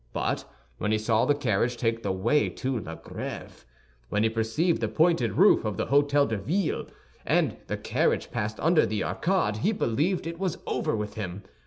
But when he saw the carriage take the way to La Grêve, when he perceived the pointed roof of the Hôtel de Ville, and the carriage passed under the arcade, he believed it was over with him.